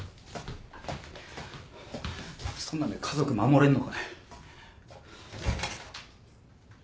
そんなんで家族守れんのかい。